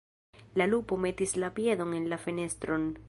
La lupo metis la piedon en la fenestron.